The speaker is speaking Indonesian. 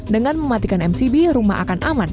dengan mematikan mcb rumah akan aman